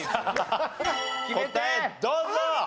答えどうぞ。